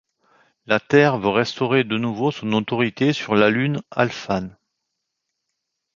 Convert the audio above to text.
La Terre veut restaurer de nouveau son autorité sur la Lune Alphane.